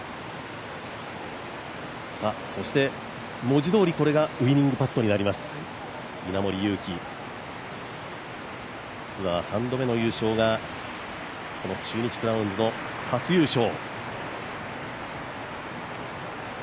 そして文字どおりこれがウイニングパットになります稲森佑貴、ツアー３度目の優勝が中日クラウンズの初優勝。